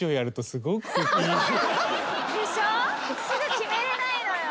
すぐ決めれないのよ。